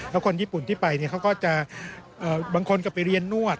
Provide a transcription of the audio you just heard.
แล้วคนญี่ปุ่นที่ไปเขาก็จะบางคนก็ไปเรียนนวด